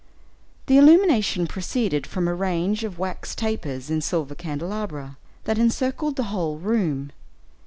The illumination proceeded from a range of wax tapers in silver candelabra, that encircled the whole room.